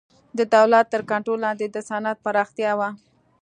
د دولت تر کنټرول لاندې د صنعت پراختیا وه